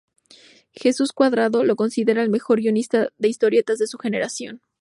Jesús Cuadrado lo considera el mejor guionista de historietas de su generación.